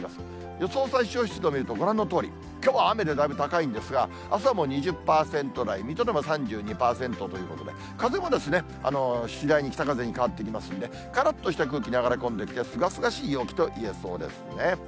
予想最小湿度見ると、ご覧のとおり、きょうは雨でだいぶ高いんですが、あすはもう２０％台、水戸でも３２％ということで、風も次第に北風に変わってきますんで、からっとした空気、流れ込んできて、すがすがしい陽気と言えそうですね。